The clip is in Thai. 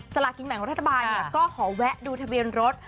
ลากินแบ่งรัฐบาลก็ขอแวะดูทะเบียนรถ